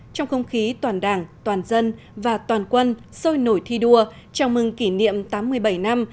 trong không khí toàn đảng toàn dân và toàn quân sôi nổi thi đua chào mừng kỷ niệm tám mươi bảy năm